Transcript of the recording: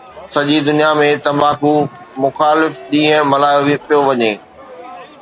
سڄي دنيا ۾ تمباڪو مخالف ڏينهن ملهايو پيو وڃي